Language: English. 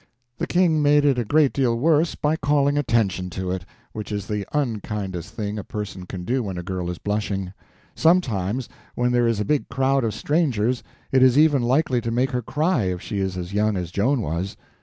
The King made it a great deal worse by calling attention to it, which is the unkindest thing a person can do when a girl is blushing; sometimes, when there is a big crowd of strangers, it is even likely to make her cry if she is as young as Joan was.